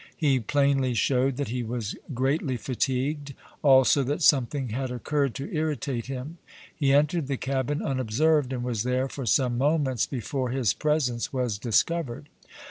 He plainly showed that he was greatly fatigued, also that something had occurred to irritate him. He entered the cabin unobserved, and was there for some moments before his presence was discovered.